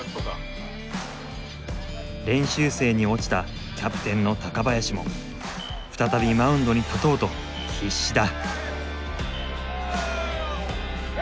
練習生に落ちたキャプテンの高林も再びマウンドに立とうと必死だ。